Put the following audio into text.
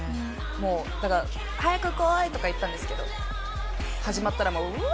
もうだから「早く来い！」とか言ってたんですけど始まったらもう「うわー！